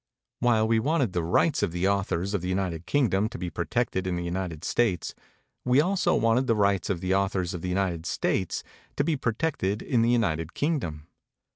While we wanted the rights of the au thors of the United Kingdom to be protected in the United States, we also wanted the rights of the authors of the United States to be protected in the United Kingdom.